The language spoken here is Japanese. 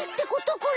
これ？